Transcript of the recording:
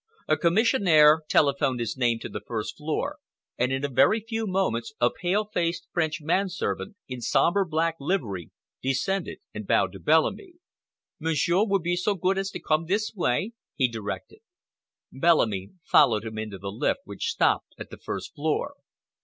A commissionaire telephoned his name to the first floor, and in a very few moments a pale faced French man servant, in sombre black livery, descended and bowed to Bellamy. "Monsieur will be so good as to come this way," he directed. Bellamy followed him into the lift, which stopped at the first floor.